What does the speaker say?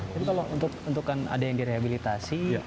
jadi kalau untukkan ada yang direhabilitasi